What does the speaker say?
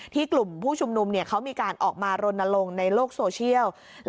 กลุ่มผู้ชุมนุมเขามีการออกมารณลงในโลกโซเชียล